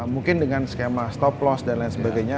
mungkin dengan skema stop loss dan lain sebagainya